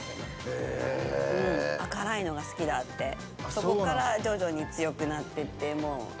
そこから徐々に強くなっていって。